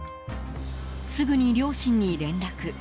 すぐに両親に連絡。